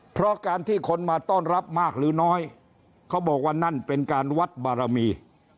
เพราะการที่คนมาต้อนรับมากหรือน้อยเขาบอกว่านั่นเป็นการวัดบารมี